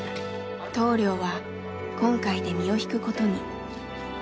棟梁は今回で身を引くことに。